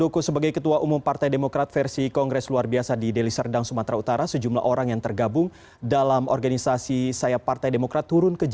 ketua umum partai demokrat